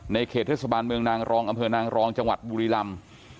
เขตเทศบาลเมืองนางรองอำเภอนางรองจังหวัดบุรีลำ